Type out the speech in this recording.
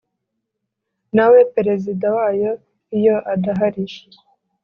nawe Perezida wayo Iyo adahari